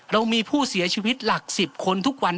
เรามีผู้เสียชีวิตหลัก๑๐คนทุกวัน